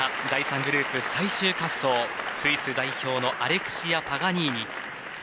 第３グループ、最終滑走スイス代表アレクシア・パガニーニ。